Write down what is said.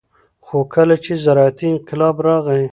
خو کله چې زراعتي انقلاب راغى